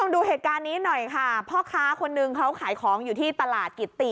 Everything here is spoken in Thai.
ดูเหตุการณ์นี้หน่อยค่ะพ่อค้าคนนึงเขาขายของอยู่ที่ตลาดกิติ